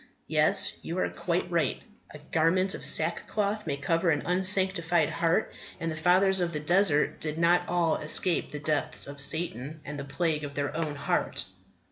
Yes, you are quite right. A garment of sackcloth may cover an unsanctified heart; and the fathers of the desert did not all escape the depths of Satan and the plague of their own heart.